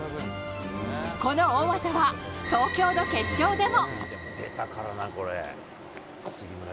この大技は東京の決勝でも。